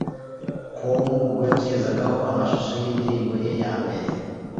com ubwo yatugezagaho amashusho y'indirimbi ye ya nbere